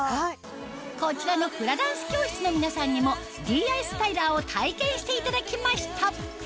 こちらのフラダンス教室の皆さんにもＤｉＳＴＹＬＥＲを体験していただきました